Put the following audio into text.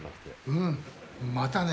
うんまたね。